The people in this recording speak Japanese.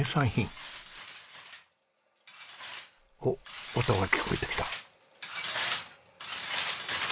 おっ音が聞こえてきた。